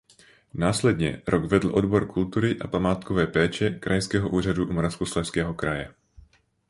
Následně rok vedl Odbor kultury a památkové péče Krajského úřadu Moravskoslezského kraje.